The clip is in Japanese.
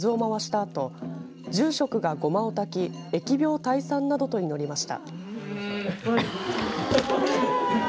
あと住職が護摩をたき疫病退散などと祈りました。